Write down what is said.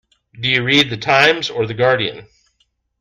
Do you read The Times or The Guardian?